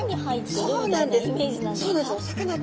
そうなんですよ。